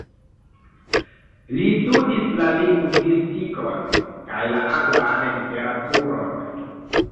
Li studis la lingvistikon kaj la anglan literaturon.